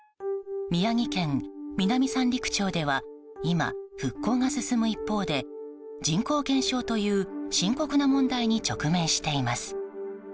宮城県南三陸町では今復興が進む一方で人口減少という深刻な問題に直面しています。